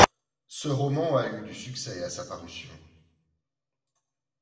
Ce roman a eu du succès à sa parution.